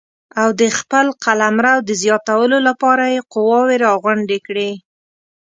او د خپل قلمرو د زیاتولو لپاره یې قواوې راغونډې کړې.